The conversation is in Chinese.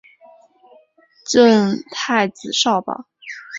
赠太子少保。